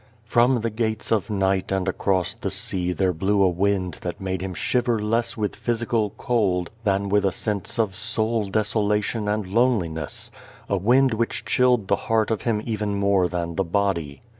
From the gates of night and across the sea there blew a wind that made him shiver less with physical cold than with a sense of soul desolation and loneliness ; a wind which chilled the heart of him even more than the body.